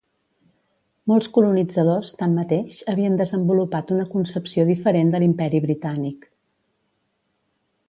Molts colonitzadors, tanmateix, havien desenvolupat una concepció diferent de l'Imperi Britànic.